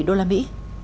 đô la mỹ